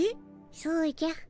そうじゃ。